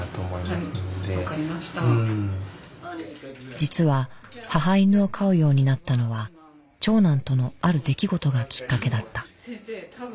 実は母犬を飼うようになったのは長男とのある出来事がきっかけだった。